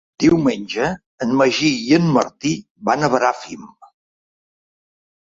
Diumenge en Magí i en Martí van a Bràfim.